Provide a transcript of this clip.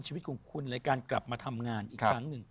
ชีวิตของคุณในการกลับมาทำงานอีกครั้งหนึ่ง